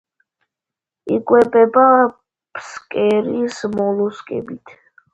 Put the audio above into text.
იკვებება ფსკერის მოლუსკებით.